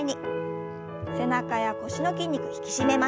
背中や腰の筋肉引き締めましょう。